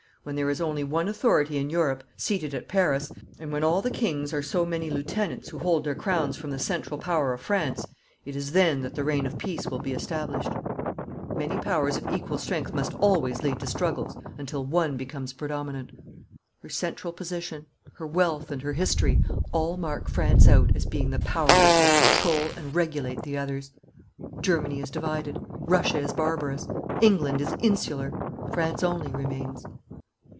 When there is only one authority in Europe, seated at Paris, and when all the kings are so many lieutenants who hold their crowns from the central power of France, it is then that the reign of peace will be established. Many powers of equal strength must always lead to struggles until one becomes predominant. Her central position, her wealth and her history, all mark France out as being the power which will control and regulate the others. Germany is divided. Russia is barbarous. England is insular. France only remains.'